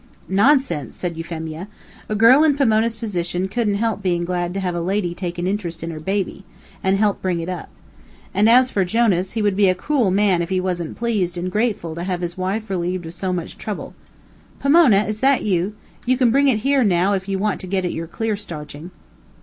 "Nonsense!" said Euphemia, "a girl in Pomona's position couldn't help being glad to have a lady take an interest in her baby, and help bring it up. And as for Jonas, he would be a cruel man if he wasn't pleased and grateful to have his wife relieved of so much trouble. Pomona! is that you? You can bring it here, now, if you want to get at your clear starching."